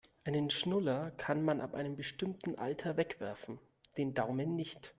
Einen Schnuller kann man ab einem bestimmten Alter wegwerfen, den Daumen nicht.